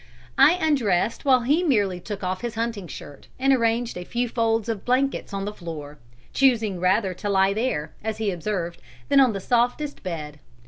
I undressed while he merely took off his hunting shirt and arranged a few folds of blankets on the floor, choosing rather to lie there, as he observed, than on the softest bed.